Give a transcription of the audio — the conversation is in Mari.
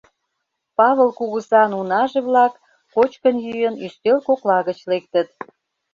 Павыл кугызан унаже-влак, кочкын-йӱын, ӱстел кокла гыч лектыт.